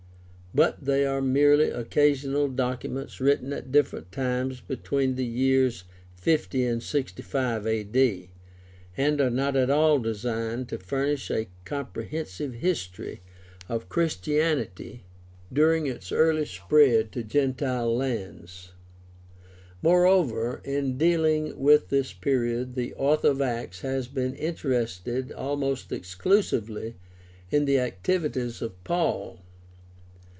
But they are merely occasional documents written at different times be tween the years 50 and 65 a.d., and are not at all designed to furnish a comprehensive history of Christianity during its early spread to gentile lands. Moreover, in dealing with this period the author of Acts has been interested almost exclusively in the activities of Paul.